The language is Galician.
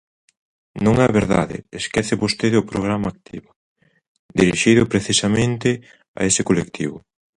Non é verdade, esquece vostede o programa Activa, dirixido precisamente a ese colectivo.